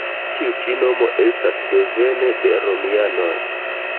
Tiu ĉi nomo estas devene de romianoj.